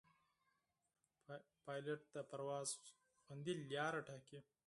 پیلوټ د پرواز خوندي لاره ټاکي.